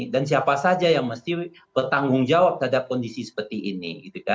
siapa saja yang mesti bertanggung jawab terhadap kondisi seperti ini